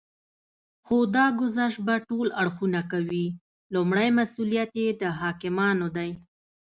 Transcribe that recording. خو دا ګذشت به ټول اړخونه کوي. لومړی مسئوليت یې د حاکمانو دی